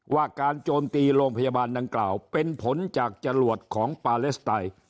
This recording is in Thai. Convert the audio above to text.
ว่าการโจมตีโรงพยาบาลดังกล่าวเป็นผลจากจรวดของปาเลสไตน์